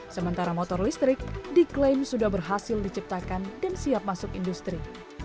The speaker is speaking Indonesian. sementara motor listrik diklaim sudah berhasil diciptakan dan siap masuk industri